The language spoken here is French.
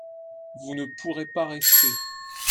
vous ne pourrez pas rester.